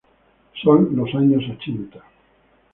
Son los años ochenta.